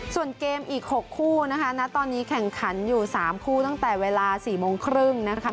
ส่วนเกมอีก๖คู่นะคะณตอนนี้แข่งขันอยู่๓คู่ตั้งแต่เวลา๔โมงครึ่งนะคะ